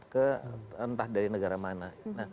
ke entah dari negara mana